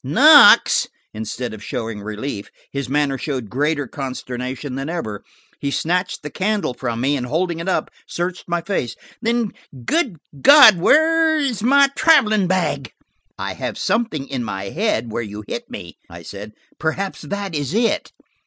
"Knox!" Instead of showing relief, his manner showed greater consternation than ever. He snatched the candle from me and, holding it up, searched my face. "Then–good God–where is my traveling bag?" "I have something in my head where you hit me," I said. "Perhaps that is it."